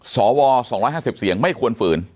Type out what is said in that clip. สว๒๕๐เสียงไม่ควรฝืน